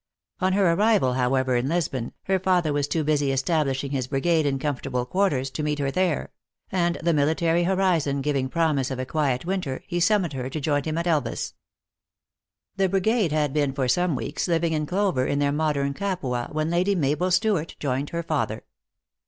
On her arrival, however, in Lisbon, her father was too busy establishing his brigade in comfortable quarters, to meet her there ; and the military horizon giving promise of a quiet winter, he summoned her to join him at Elvas. The brigade had been for some weeks living in clo ver in their modern Capua, when Lady Mabel Stewart joined her father.